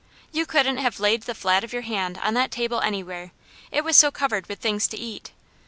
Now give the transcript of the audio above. You couldn't have laid the flat of your hand on that table anywhere, it was so covered with things to eat.